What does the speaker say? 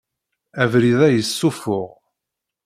Abrid-a yessufuɣ.